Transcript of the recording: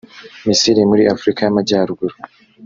Misiri muri Afurika y’Amajyaruguru